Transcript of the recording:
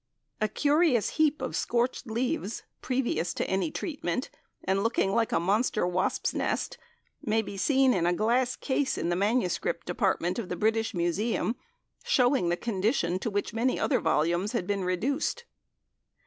A curious heap of scorched leaves, previous to any treatment, and looking like a monster wasps' nest, may be seen in a glass case in the MS. department of the British Museum, showing the condition to which many other volumes had been reduced.